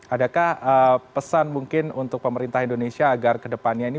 adakah pesan mungkin untuk pemerintah indonesia agar kedepannya ini